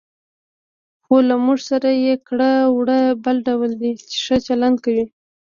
خو له موږ سره یې کړه وړه بل ډول دي، چې ښه چلند کوي.